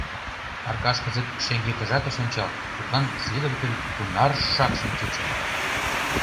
Аркаш кызыт шеҥгекыжат ыш ончал, тудлан следователь тунар шакшын чучо.